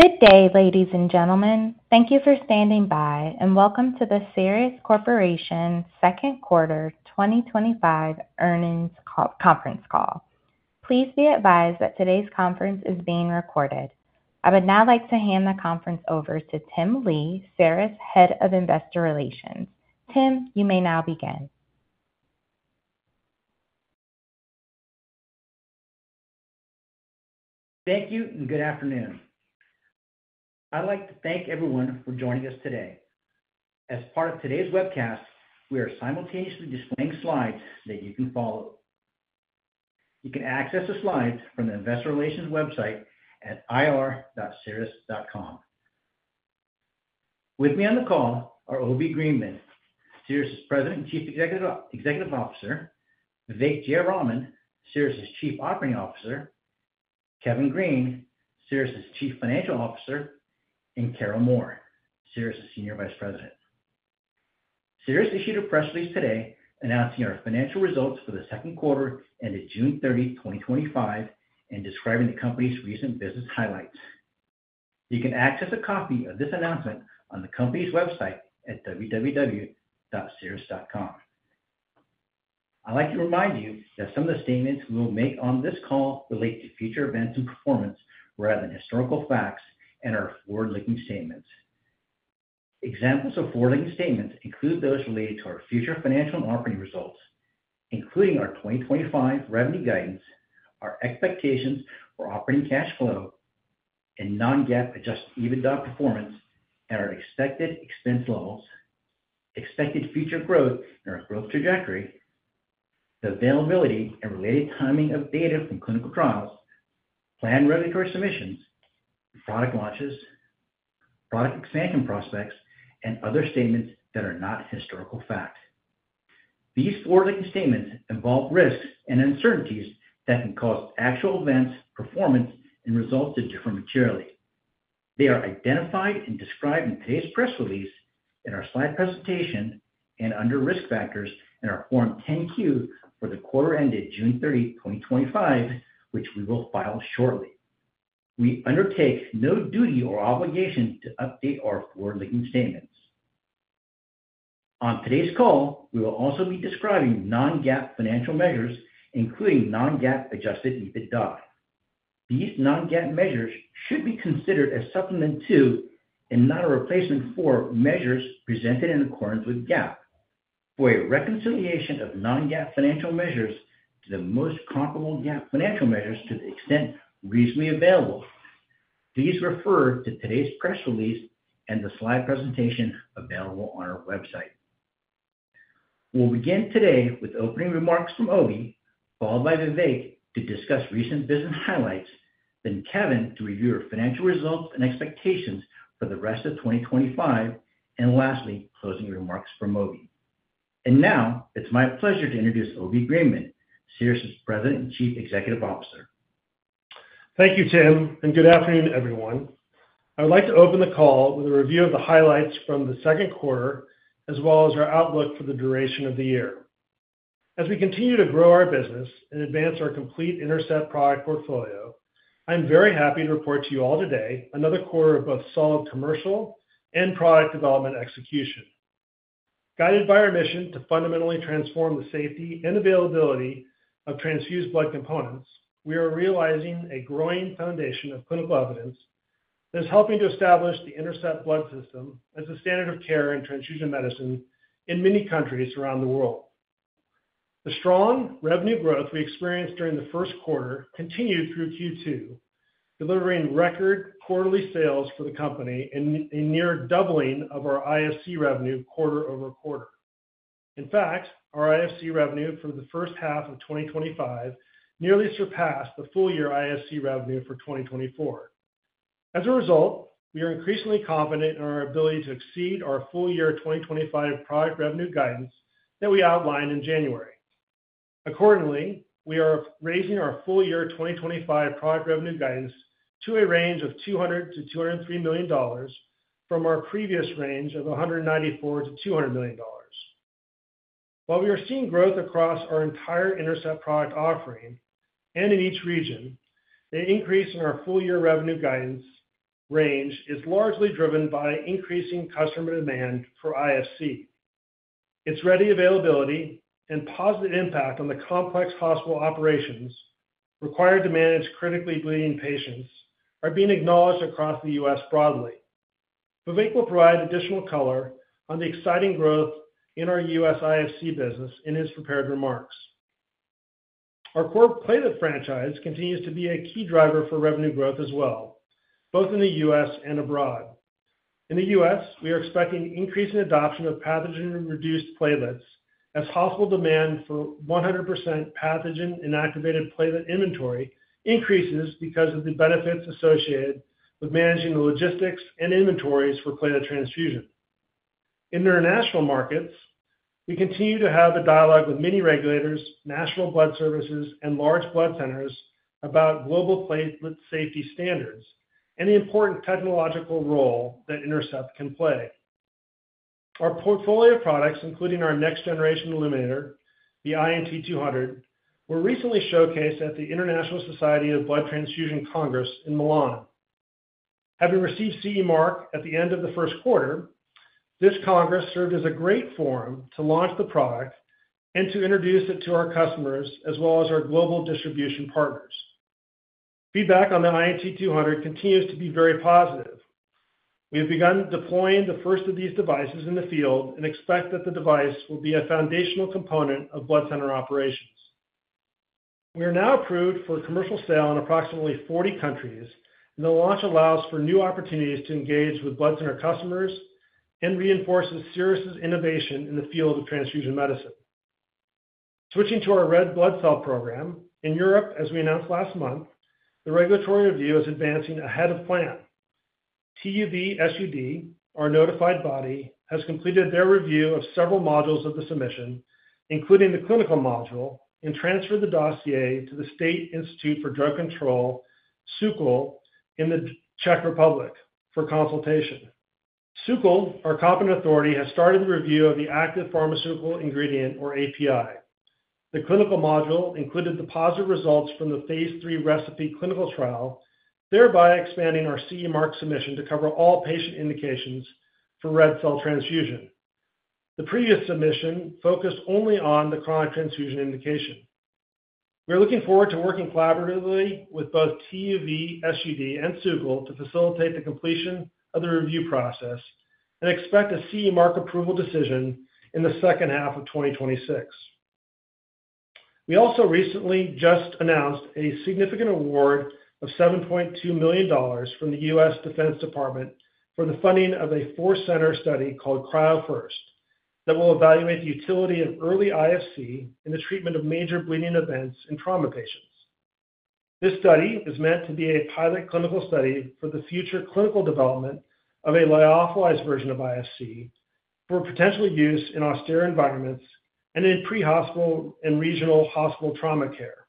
Good day, ladies and gentlemen. Thank you for standing by and welcome to the Cerus Corporation's Second Quarter 2025 Earnings Conference Call. Please be advised that today's conference is being recorded. I would now like to hand the conference over to Tim Lee, Cerus Head of Investor Relations. Tim, you may now begin. Thank you and good afternoon. I'd like to thank everyone for joining us today. As part of today's webcast, we are simultaneously displaying slides that you can follow. You can access the slides from the Investor Relations website at ir.cerus.com. With me on the call are Obi Greenman, Cerus' President and Chief Executive Officer, Vivek Jayaraman, Cerus' Chief Operating Officer, Kevin Green, Cerus' Chief Financial Officer, and Carol Moore, Cerus' Senior Vice President. Cerus issued a press release today announcing our financial results for the second quarter ended June 30, 2025, and describing the company's recent business highlights. You can access a copy of this announcement on the company's website at www.cerus.com. I'd like to remind you that some of the statements we will make on this call relate to future events and performance rather than historical facts and are forward-looking statements. Examples of forward-looking statements include those related to our future financial and operating results, including our 2025 revenue guidance, our expectations for operating cash flow and non-GAAP adjusted EBITDA performance, and our expected expense loss, expected future growth, and our growth trajectory, the availability and related timing of data from clinical trials, planned regulatory submissions, product launches, product expansion prospects, and other statements that are not historical facts. These forward-looking statements involve risks and uncertainties that can cause actual events, performance, and results to differ materially. They are identified and described in today's press release, in our slide presentation, and under risk factors in our Form 10-Q for the quarter ended June 30, 2025, which we will file shortly. We undertake no duty or obligation to update our forward-looking statements. On today's call, we will also be describing non-GAAP financial measures, including non-GAAP adjusted EBITDA. These non-GAAP measures should be considered as a supplement to and not a replacement for measures presented in accordance with GAAP. For a reconciliation of non-GAAP financial measures to the most comparable GAAP financial measures to the extent reasonably available, please refer to today's press release and the slide presentation available on our website. We'll begin today with opening remarks from Obi, followed by Vivek to discuss recent business highlights, then Kevin to review our financial results and expectations for the rest of 2025, and lastly, closing remarks from Obi. Now, it's my pleasure to introduce Obi Greenman, Cerus' President and Chief Executive Officer. Thank you, Tim, and good afternoon, everyone. I would like to open the call with a review of the highlights from the second quarter, as well as our outlook for the duration of the year. As we continue to grow our business and advance our complete INTERCEPT product portfolio, I'm very happy to report to you all today another quarter of both solid commercial and product development execution. Guided by our mission to fundamentally transform the safety and availability of transfused blood components, we are realizing a growing foundation of clinical evidence that is helping to establish the INTERCEPT Blood System as the standard of care in transfusion medicine in many countries around the world. The strong revenue growth we experienced during the first quarter continued through Q2, delivering record quarterly sales for the company and a near doubling of our IFC revenue quarter-over-quarter. In fact, our IFC revenue for the first half of 2025 nearly surpassed the full-year IFC revenue for 2024. As a result, we are increasingly confident in our ability to exceed our full-year 2025 product revenue guidance that we outlined in January. Accordingly, we are raising our full-year 2025 product revenue guidance to a range of $200 million-$203 million from our previous range of $194 million-$200 million. While we are seeing growth across our entire INTERCEPT product offering and in each region, the increase in our full-year revenue guidance range is largely driven by increasing customer demand for IFC. Its ready availability and positive impact on the complex hospital operations required to manage critically bleeding patients are being acknowledged across the U.S., broadly. Vivek will provide additional color on the exciting growth in our U.S. IFC business in his prepared remarks. Our core platelet franchise continues to be a key driver for revenue growth as well, both in the U.S., and abroad. In the U.S., we are expecting increasing adoption of pathogen-reduced platelets as hospital demand for 100% pathogen-inactivated platelet inventory increases because of the benefits associated with managing the logistics and inventories for platelet transfusion. In international markets, we continue to have a dialogue with many regulators, national blood services, and large blood centers about global platelet safety standards and the important technological role that INTERCEPT can play. Our portfolio products, including our next-generation illuminator, the INT200 Illuminator, were recently showcased at the International Society of Blood Transfusion Congress in Milano. Having received CE mark at the end of the first quarter, this Congress served as a great forum to launch the product and to introduce it to our customers as well as our global distribution partners. Feedback on the INT200 continues to be very positive. We have begun deploying the first of these devices in the field and expect that the device will be a foundational component of blood center operations. We are now approved for commercial sale in approximately 40 countries, and the launch allows for new opportunities to engage with blood center customers and reinforces Cerus' innovation in the field of transfusion medicine. Switching to our INTERCEPT red blood cell program, in Europe, as we announced last month, the regulatory review is advancing ahead of plan. TÜV SÜD, our notified body, has completed their review of several modules of the submission, including the clinical module, and transferred the dossier to the State Institute for Drug Control, SÚKL, in the Czech Republic for consultation. SÚKL, our competent authority, has started the review of the active pharmaceutical ingredient or API. The clinical module included the positive results from the Phase III RECePI clinical trial, thereby expanding our CE mark submission to cover all patient indications for red cell transfusion. The previous submission focused only on the chronic transfusion indication. We are looking forward to working collaboratively with both TÜV SÜD and SÚKL to facilitate the completion of the review process and expect a CE mark approval decision in the second half of 2026. We also recently just announced a significant award of $7.2 million from the U.S. Department of Defense for the funding of a four-center study called Cryo-FIRST that will evaluate the utility of early IFC in the treatment of major bleeding events in trauma patients. This study is meant to be a pilot clinical study for the future clinical development of a lyophilized version of IFC for potential use in austere environments and in pre-hospital and regional hospital trauma care.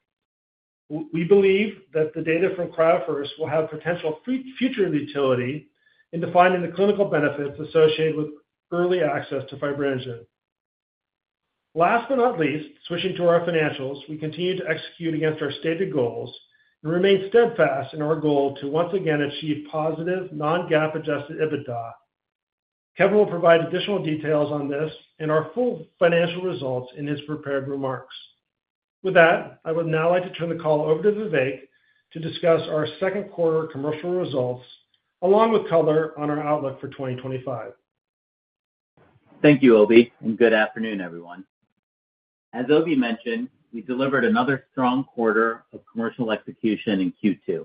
We believe that the data from Cryo-FIRST will have potential future utility in defining the clinical benefits associated with early access to fibrinogen. Last but not least, switching to our financials, we continue to execute against our stated goals and remain steadfast in our goal to once again achieve positive non-GAAP adjusted EBITDA. Kevin will provide additional details on this and our full financial results in his prepared remarks. With that, I would now like to turn the call over to Vivek to discuss our second quarter commercial results along with color on our outlook for 2025. Thank you, Obi, and good afternoon, everyone. As Obi mentioned, we delivered another strong quarter of commercial execution in Q2.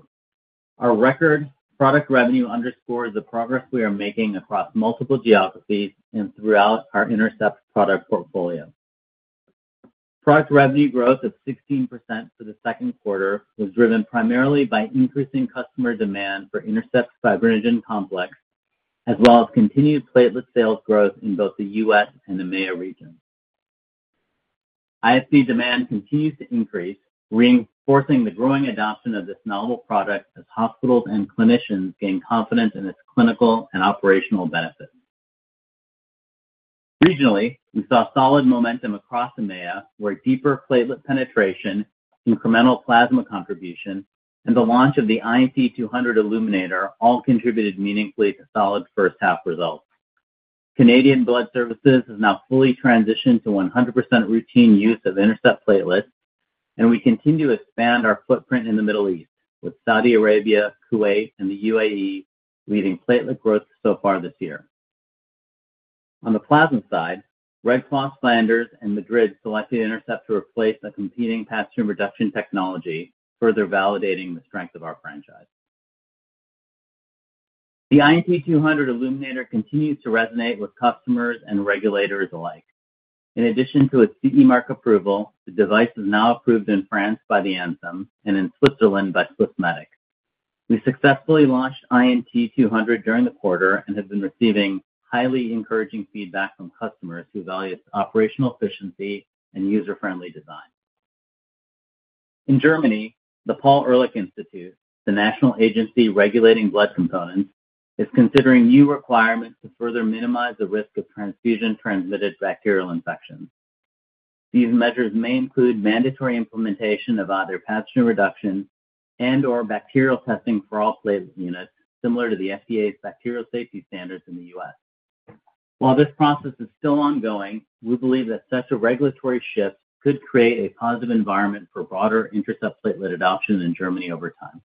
Our record product revenue underscores the progress we are making across multiple geographies and throughout our INTERCEPT product portfolio. Product revenue growth of 16% for the second quarter was driven primarily by increasing customer demand for INTERCEPT Fibrinogen Complex, as well as continued platelet sales growth in both the U.S., and the EMEA region. IFC demand continues to increase, reinforcing the growing adoption of this novel product as hospitals and clinicians gain confidence in its clinical and operational benefits. Regionally, we saw solid momentum across the EMEA where deeper platelet penetration, incremental plasma contribution, and the launch of the INT200` Illuminator all contributed meaningfully to solid first-half results. Canadian Blood Services have now fully transitioned to 100% routine use of INTERCEPT platelets, and we continue to expand our footprint in the Middle East with Saudi Arabia, Kuwait, and the UAE leading platelet growth so far this year. On the plasma side, Red Cross Flanders and Madrid selected INTERCEPT to replace a competing pathogen reduction technology, further validating the strength of our franchise. The INT200 LED Illuminator continues to resonate with customers and regulators alike. In addition to a CE mark approval, the device is now approved in France by the ANSM and in Switzerland by Swissmedic. We successfully launched INT200 during the quarter and have been receiving highly encouraging feedback from customers who value its operational efficiency and user-friendly design. In Germany, the Paul-Ehrlich Institute, the national agency regulating blood components, is considering new requirements to further minimize the risk of transfusion-transmitted bacterial infections. These measures may include mandatory implementation of either pathogen reduction and/or bacterial testing for all platelet units, similar to the FDA's bacterial safety standards in the U.S. While this process is still ongoing, we believe that such a regulatory shift could create a positive environment for broader INTERCEPT platelet adoption in Germany over time.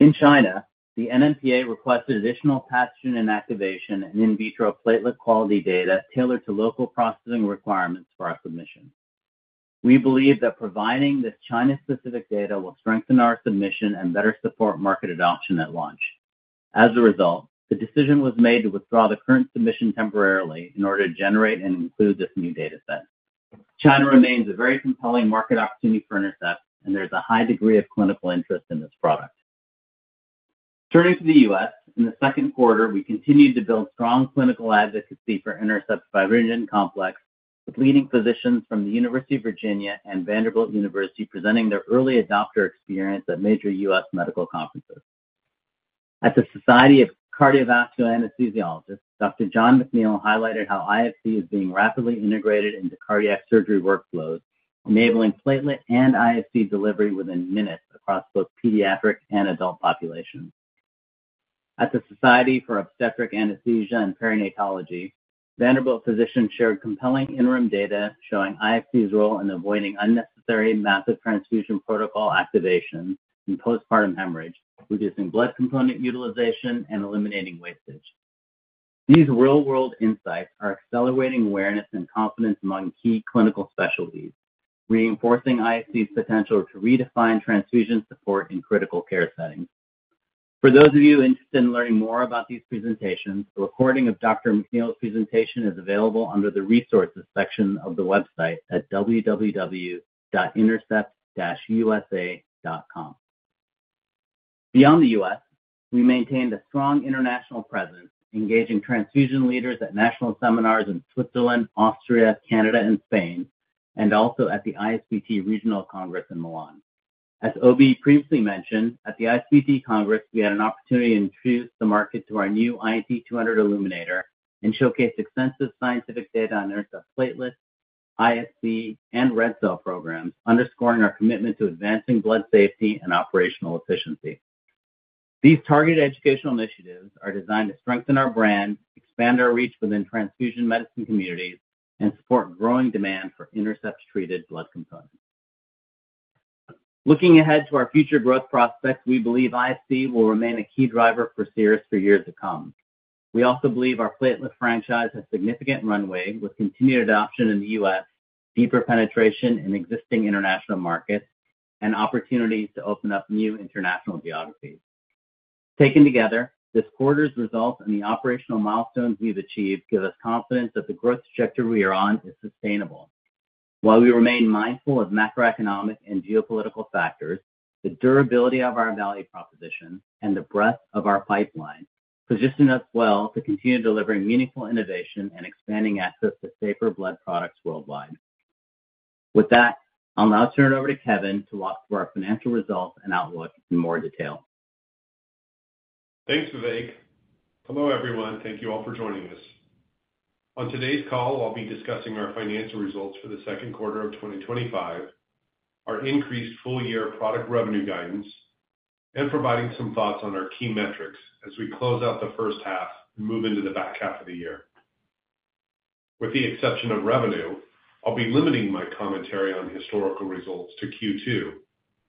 In China, the NMPA requested additional pathogen inactivation and in vitro platelet quality data tailored to local processing requirements for our submission. We believe that providing this China-specific data will strengthen our submission and better support market adoption at launch. As a result, the decision was made to withdraw the current submission temporarily in order to generate and include this new data set. China remains a very compelling market opportunity for INTERCEPT, and there's a high degree of clinical interest in this product. Turning to the U.S., in the second quarter, we continued to build strong clinical advocacy for INTERCEPT Fibrinogen Complex, with leading physicians from the University of Virginia and Vanderbilt University presenting their early adopter experience at major U.S., medical conferences. At the Society of Cardiovascular Anesthesiologists, Dr. John McNeil highlighted how IFC is being rapidly integrated into cardiac surgery workflows, enabling platelet and IFC delivery within minutes across both pediatric and adult populations. At the Society for Obstetric Anesthesia and Perinatology, Vanderbilt physicians shared compelling interim data showing IFC's role in avoiding unnecessary massive transfusion protocol activation in postpartum hemorrhage, reducing blood component utilization and eliminating wastage. These real-world insights are accelerating awareness and confidence among key clinical specialties, reinforcing IFC's potential to redefine transfusion support in critical care settings. For those of you interested in learning more about these presentations, the recording of Dr. McNeil's presentation is available under the resources section of the website at www.intercept-usa.com. Beyond the U.S., we maintained a strong international presence, engaging transfusion leaders at national seminars in Switzerland, Austria, Canada, and Spain, and also at the IFBT regional congress in Milan. As Obi previously mentioned, at the IFBT congress, we had an opportunity to introduce the market to our new INT200 Illuminator and showcase extensive scientific data on INTERCEPT platelets, IFC, and red cell programs, underscoring our commitment to advancing blood safety and operational efficiency. These targeted educational initiatives are designed to strengthen our brand, expand our reach within transfusion medicine communities, and support growing demand for INTERCEPT-treated blood components. Looking ahead to our future growth prospects, we believe IFC will remain a key driver for Cerus for years to come. We also believe our platelet franchise has significant runway with continued adoption in the U.S., deeper penetration in existing international markets, and opportunities to open up new international geographies. Taken together, this quarter's results and the operational milestones we've achieved give us confidence that the growth trajectory we are on is sustainable. While we remain mindful of macroeconomic and geopolitical factors, the durability of our value proposition and the breadth of our pipeline position us well to continue delivering meaningful innovation and expanding access to safer blood products worldwide. With that, I'll now turn it over to Kevin to walk through our financial results and outlook in more detail. Thanks, Vivek. Hello, everyone. Thank you all for joining us. On today's call, I'll be discussing our financial results for the second quarter of 2025, our increased full-year product revenue guidance, and providing some thoughts on our key metrics as we close out the first half and move into the back half of the year. With the exception of revenue, I'll be limiting my commentary on historical results to Q2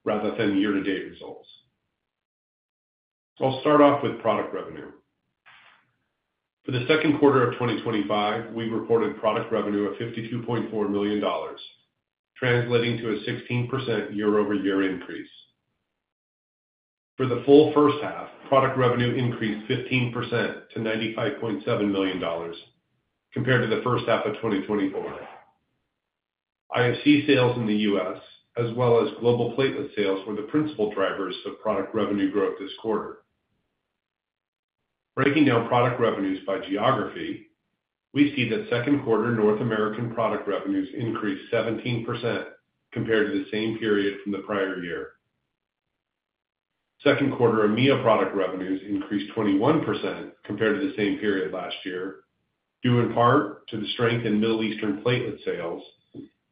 rather than year-to-date results. I'll start off with product revenue. For the second quarter of 2025, we reported product revenue of $52.4 million, translating to a 16% year-over-year increase. For the full first half, product revenue increased 15% to $95.7 million compared to the first half of 2024. IFC sales in the U.S., as well as global platelet sales, were the principal drivers of product revenue growth this quarter. Breaking down product revenues by geography, we see that second quarter North American product revenues increased 17% compared to the same period from the prior year. Second quarter EMEA product revenues increased 21% compared to the same period last year, due in part to the strength in Middle Eastern platelet sales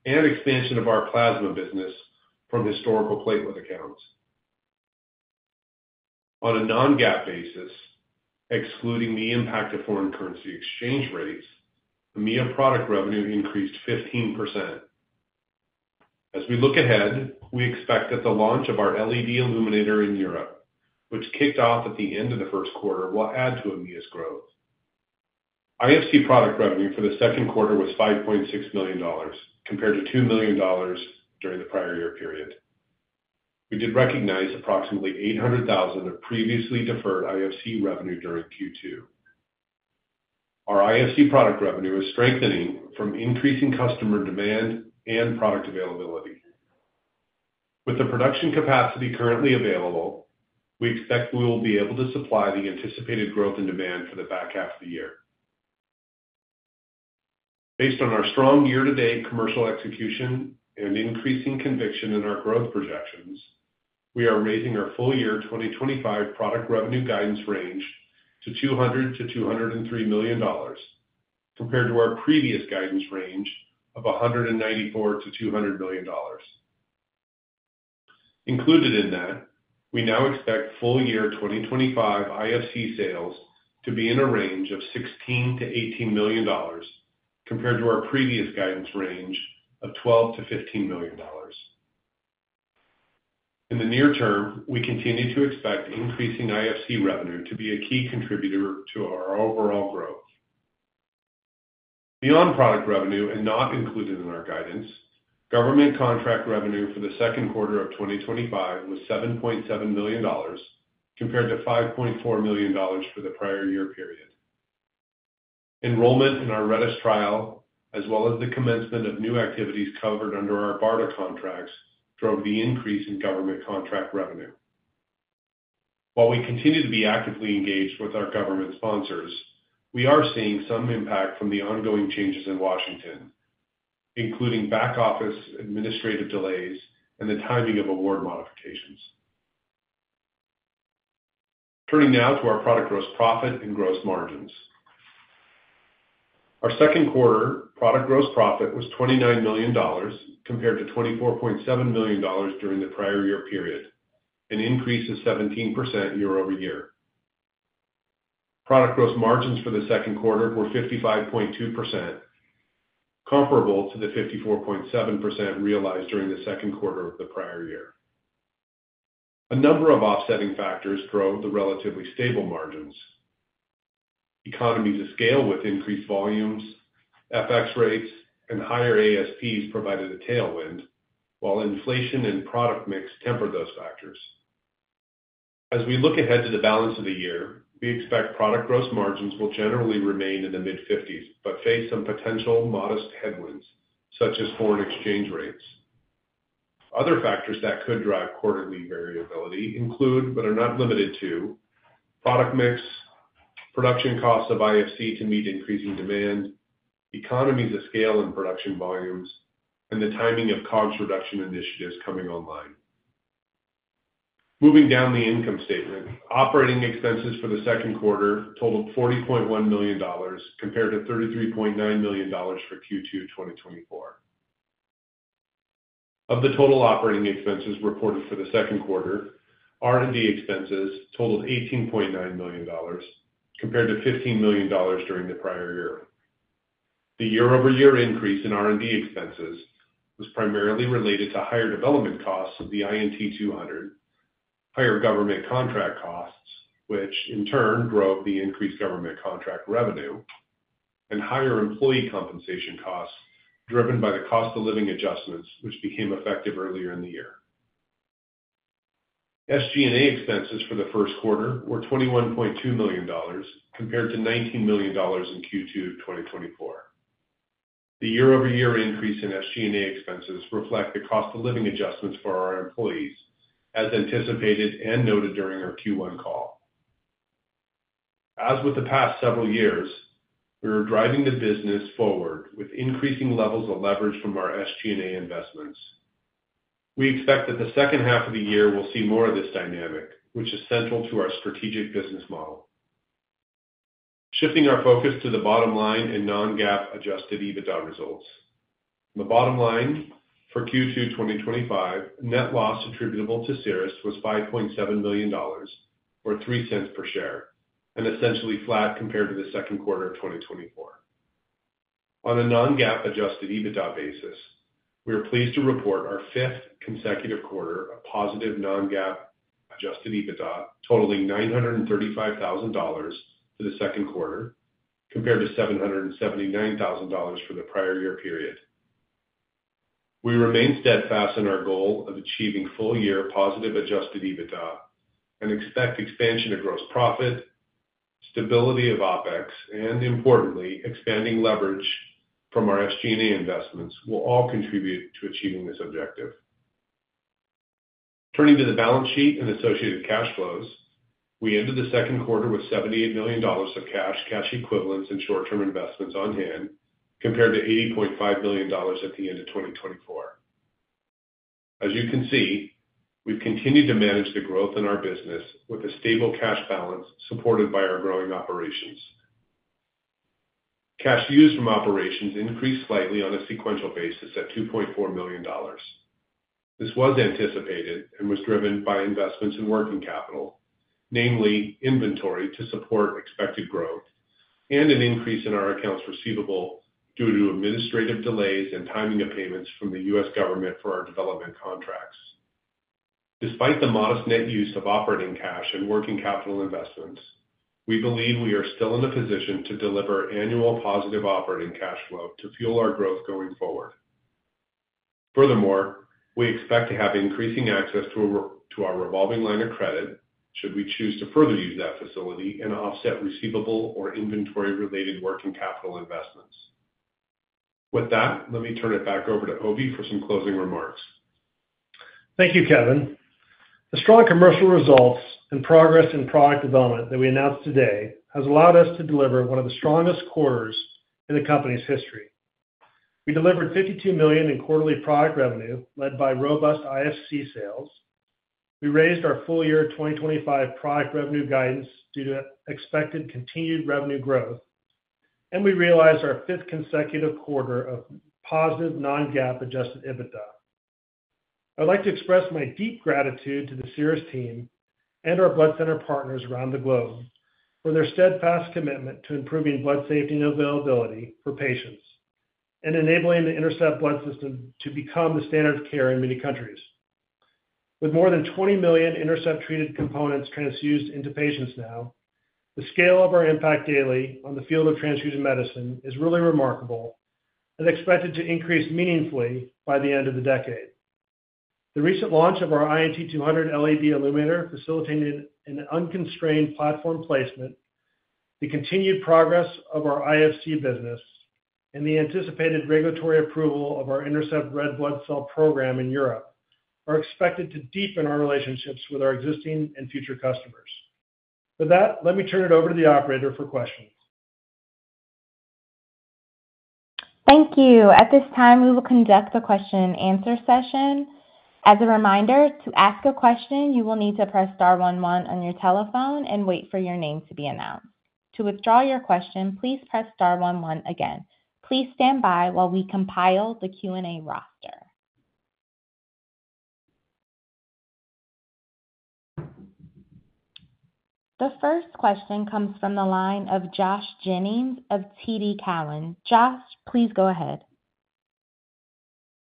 and expansion of our plasma business from historical platelet accounts. On a non-GAAP basis, excluding the impact of foreign currency exchange rates, EMEA product revenue increased 15%. As we look ahead, we expect that the launch of our LED illuminator in Europe, which kicked off at the end of the first quarter, will add to EMEA's growth. IFC product revenue for the second quarter was $5.6 million compared to $2 million during the prior year period. We did recognize approximately $800,000 of previously deferred IFC revenue during Q2. Our IFC product revenue is strengthening from increasing customer demand and product availability. With the production capacity currently available, we expect we will be able to supply the anticipated growth in demand for the back half of the year. Based on our strong year-to-date commercial execution and increasing conviction in our growth projections, we are raising our full-year 2025 product revenue guidance range to $200 million-$203 million compared to our previous guidance range of $194 million-$200 million. Included in that, we now expect full-year 2025 IFC sales to be in a range of $16 million-$18 million compared to our previous guidance range of $12 million-$15 million. In the near term, we continue to expect increasing IFC revenue to be a key contributor to our overall growth. Beyond product revenue and not included in our guidance, government contract revenue for the second quarter of 2025 was $7.7 million compared to $5.4 million for the prior year period. Enrollment in our Redis trial, as well as the commencement of new activities covered under our BARDA contracts, drove the increase in government contract revenue. While we continue to be actively engaged with our government sponsors, we are seeing some impact from the ongoing changes in Washington, including back-office administrative delays and the timing of award modifications. Turning now to our product gross profit and gross margins. Our second quarter product gross profit was $29 million compared to $24.7 million during the prior year period, an increase of 17% year-over-year. Product gross margins for the second quarter were 55.2%, comparable to the 54.7% realized during the second quarter of the prior year. A number of offsetting factors drove the relatively stable margins. Economies of scale with increased volumes, FX rates, and higher ASPs provided a tailwind, while inflation and product mix tempered those factors. As we look ahead to the balance of the year, we expect product gross margins will generally remain in the mid-50s but face some potential modest headwinds, such as foreign exchange rates. Other factors that could drive quarterly variability include, but are not limited to, product mix, production costs of IFC to meet increasing demand, economies of scale and production volumes, and the timing of COGS reduction initiatives coming online. Moving down the income statement, operating expenses for the second quarter totaled $40.1 million compared to $33.9 million for Q2 2024. Of the total operating expenses reported for the second quarter, R&D expenses totaled $18.9 million compared to $15 million during the prior year. The year-over-year increase in R&D expenses was primarily related to higher development costs of the INT200, higher government contract costs, which in turn drove the increased government contract revenue, and higher employee compensation costs driven by the cost of living adjustments, which became effective earlier in the year. SG&A expenses for the first quarter were $21.2 million compared to $19 million in Q2 2024. The year-over-year increase in SG&A expenses reflects the cost of living adjustments for our employees, as anticipated and noted during our Q1 call. As with the past several years, we are driving the business forward with increasing levels of leverage from our SG&A investments. We expect that the second half of the year will see more of this dynamic, which is central to our strategic business model. Shifting our focus to the bottom line and non-GAAP adjusted EBITDA results, the bottom line for Q2 2025, net loss attributable to Cerus was $5.7 million, or $0.03 per share, and essentially flat compared to the second quarter of 2024. On a non-GAAP adjusted EBITDA basis, we are pleased to report our fifth consecutive quarter positive non-GAAP adjusted EBITDA totaling $935,000 for the second quarter compared to $779,000 for the prior year period. We remain steadfast in our goal of achieving full-year positive adjusted EBITDA and expect expansion of gross profit, stability of OpEx, and importantly, expanding leverage from our SG&A investments will all contribute to achieving this objective. Turning to the balance sheet and associated cash flows, we ended the second quarter with $78 million of cash, cash equivalents, and short-term investments on hand, compared to $80.5 million at the end of 2024. As you can see, we've continued to manage the growth in our business with a stable cash balance supported by our growing operations. Cash used from operations increased slightly on a sequential basis at $2.4 million. This was anticipated and was driven by investments in working capital, namely inventory to support expected growth and an increase in our accounts receivable due to administrative delays and timing of payments from the U.S. government for our development contracts. Despite the modest net use of operating cash and working capital investments, we believe we are still in a position to deliver annual positive operating cash flow to fuel our growth going forward. Furthermore, we expect to have increasing access to our revolving line of credit should we choose to further use that facility and offset receivable or inventory-related working capital investments. With that, let me turn it back over to Obi for some closing remarks. Thank you, Kevin. The strong commercial results and progress in product development that we announced today have allowed us to deliver one of the strongest quarters in the company's history. We delivered $52 million in quarterly product revenue led by robust IFC sales. We raised our full-year 2025 product revenue guidance due to expected continued revenue growth, and we realized our fifth consecutive quarter of positive non-GAAP adjusted EBITDA. I'd like to express my deep gratitude to the Cerus team and our blood center partners around the globe for their steadfast commitment to improving blood safety and availability for patients and enabling the INTERCEPT Blood System to become the standard of care in many countries. With more than 20 million INTERCEPT-treated components transfused into patients now, the scale of our impact daily on the field of transfusion medicine is really remarkable and expected to increase meaningfully by the end of the decade. The recent launch of our INT200 LED Illuminator facilitated an unconstrained platform placement, the continued progress of our IFC business, and the anticipated regulatory approval of our INTERCEPT red blood cell program in Europe are expected to deepen our relationships with our existing and future customers. With that, let me turn it over to the operator for questions. Thank you. At this time, we will conduct the question-and-answer session. As a reminder, to ask a question, you will need to press Star, one, one on your telephone and wait for your name to be announced. To withdraw your question, please press Star, one, one again. Please stand by while we compile the Q&A roster. The first question comes from the line of Josh Jennings of TD Cowen. Josh, please go ahead.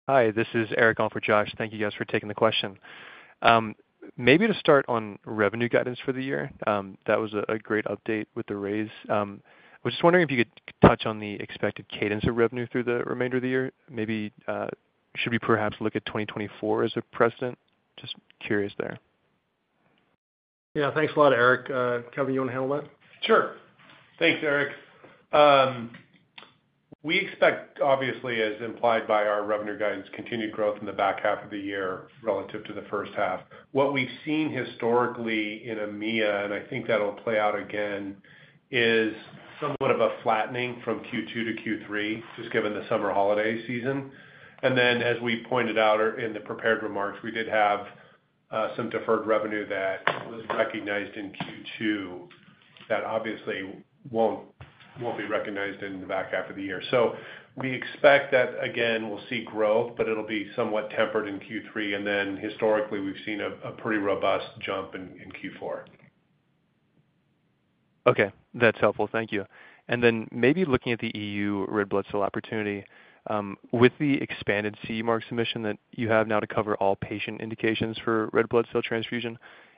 Hi, this is Eric on for Josh. Thank you guys for taking the question. Maybe to start on revenue guidance for the year, that was a great update with the raise. I was just wondering if you could touch on the expected cadence of revenue through the remainder of the year. Maybe should we perhaps look at 2024 as a precedent? Just curious there. Yeah, thanks a lot, Eric. Kevin, you want to handle that? Sure. Thanks, Eric. We expect, obviously, as implied by our revenue guidance, continued growth in the back half of the year relative to the first half. What we've seen historically in EMEA, and I think that'll play out again, is somewhat of a flattening from Q2-Q3, just given the summer holiday season. As we pointed out in the prepared remarks, we did have some deferred revenue that was recognized in Q2 that obviously won't be recognized in the back half of the year. We expect that, again, we'll see growth, but it'll be somewhat tempered in Q3. Historically, we've seen a pretty robust jump in Q4. Okay, that's helpful. Thank you. Maybe looking at the EU red blood cell opportunity, with the expanded CE mark submission that you have now to cover all patient indications for red blood cell transfusion,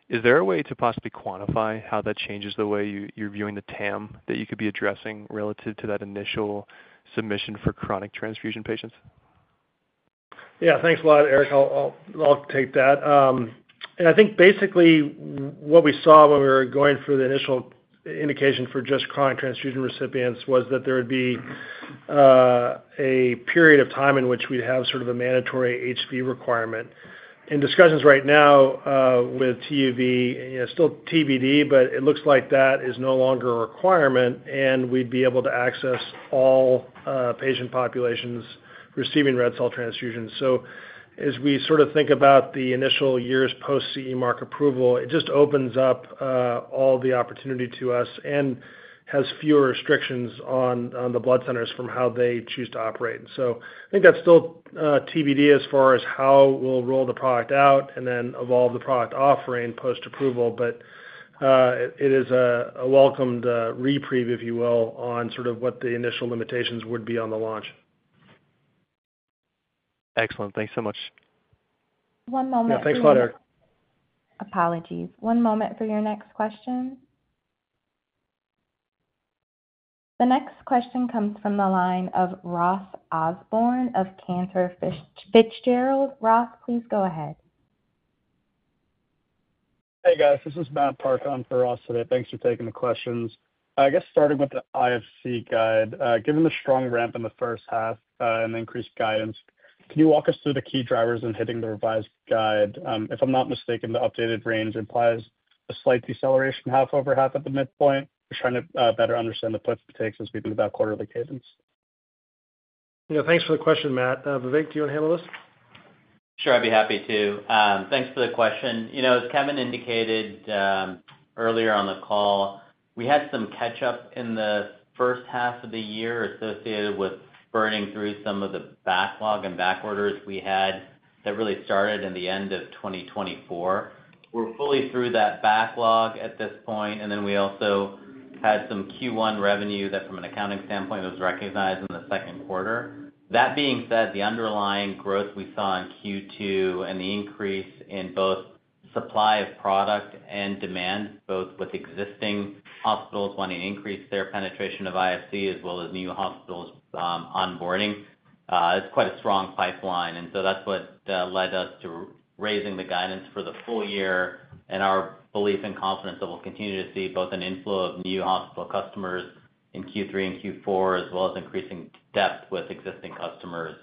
is there a way to possibly quantify how that changes the way you're viewing the TAM that you could be addressing relative to that initial submission for chronic transfusion patients? Yeah, thanks a lot, Eric. I'll take that. I think basically what we saw when we were going through the initial indication for just chronic transfusion recipients was that there would be a period of time in which we'd have sort of a mandatory HV requirement. In discussions right now with TUV, still TBD, but it looks like that is no longer a requirement, and we'd be able to access all patient populations receiving red cell transfusions. As we sort of think about the initial years post-CE mark approval, it just opens up all the opportunity to us and has fewer restrictions on the blood centers from how they choose to operate. I think that's still TBD as far as how we'll roll the product out and then evolve the product offering post-approval, but it is a welcomed reprieve, if you will, on sort of what the initial limitations would be on the launch. Excellent. Thanks so much. One moment. Yeah, thanks a lot, Eric. Apologies. One moment for your next question. The next question comes from the line of Ross Osborne of Cantor Fitzgerald. Ross, please go ahead. Hey guys, this is Matt Park in for Ross today. Thanks for taking the questions. I guess starting with the IFC guide, given the strong ramp in the first half and the increased guidance, can you walk us through the key drivers in hitting the revised guide? If I'm not mistaken, the updated range implies a slight deceleration half over half at the midpoint. We're trying to better understand the puts and takes as we think about quarterly cadence. Yeah, thanks for the question, Matt. Vivek, do you want to handle this? Sure, I'd be happy to. Thanks for the question. You know, as Kevin indicated earlier on the call, we had some catch-up in the first half of the year associated with burning through some of the backlog and backorders we had that really started in the end of 2024. We're fully through that backlog at this point, and we also had some Q1 revenue that, from an accounting standpoint, was recognized in the second quarter. That being said, the underlying growth we saw in Q2 and the increase in both supply of product and demand, both with existing hospitals wanting to increase their penetration of IFC as well as new hospitals onboarding, it's quite a strong pipeline. That's what led us to raising the guidance for the full year and our belief and confidence that we'll continue to see both an inflow of new hospital customers in Q3 and Q4, as well as increasing depth with existing customers.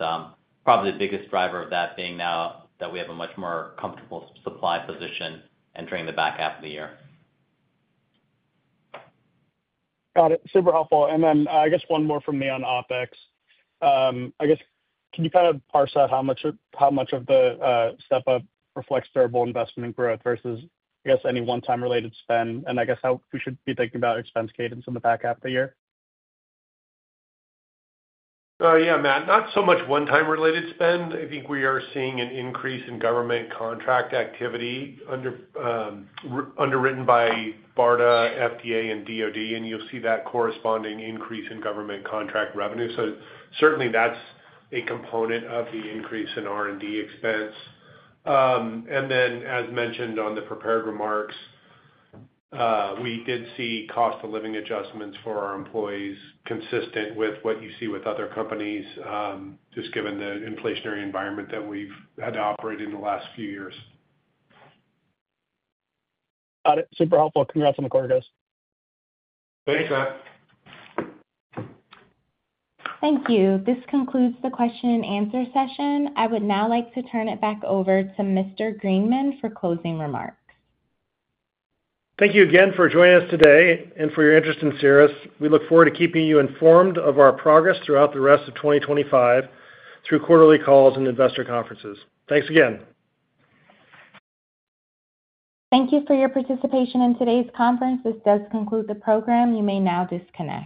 Probably the biggest driver of that being now that we have a much more comfortable supply position entering the back half of the year. Got it. Super helpful. I guess one more from me on OpEx. Can you kind of parse out how much of the step-up reflects durable investment and growth versus any one-time related spend? Who should be thinking about expense cadence in the back half of the year? Yeah, Matt, not so much one-time related spend. I think we are seeing an increase in government contract activity underwritten by BARDA, FDA, and DOD, and you'll see that corresponding increase in government contract revenue. Certainly that's a component of the increase in R&D expense. As mentioned on the prepared remarks, we did see cost of living adjustments for our employees consistent with what you see with other companies, just given the inflationary environment that we've had to operate in the last few years. Got it. Super helpful. Congrats on the quarter, guys. Thanks, Matt. Thank you. This concludes the question-and-answer session. I would now like to turn it back over to Mr. Greenman for closing remarks. Thank you again for joining us today and for your interest in Cerus. We look forward to keeping you informed of our progress throughout the rest of 2025 through quarterly calls and investor conferences. Thanks again. Thank you for your participation in today's conference. This does conclude the program. You may now disconnect.